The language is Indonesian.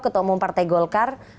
ketemu partai golkar